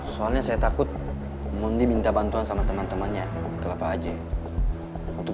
soalnya saya takut mundi minta bantuan sama teman temannya kelapa aja